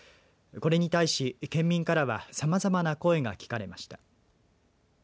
これに対し、県民からはさまざまな声が聞かれました。